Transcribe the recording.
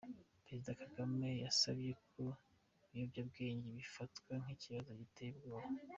Perezida Kagame yasabye ko ibiyobyabwenge bifatwa nk’ikibazo giteye ubwoba.